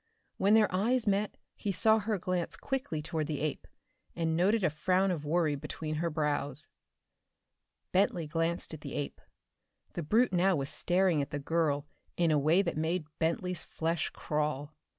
When their eyes met he saw her glance quickly toward the ape, and noted a frown of worry between her brows. Bentley glanced at the ape. The brute now was staring at the girl in a way that made Bentley's flesh crawl.